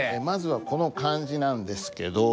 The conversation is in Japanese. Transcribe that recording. まずはこの漢字なんですけど。